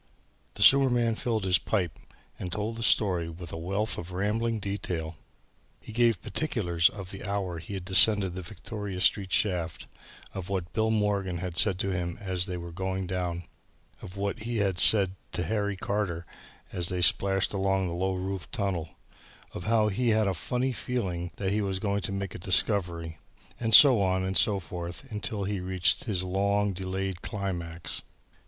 The sewer man filled his pipe and told the story with a wealth of rambling detail. He gave particulars of the hour he had descended the Victoria Street shaft, of what Bill Morgan had said to him as they were going down, of what he had said to Harry Carter as they splashed along the low roofed tunnel, of how he had a funny feeling that he was going to make a discovery, and so on and so forth until he reached his long delayed climax.